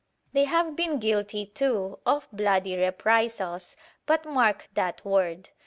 They have been guilty, too, of bloody reprisals; but mark that word!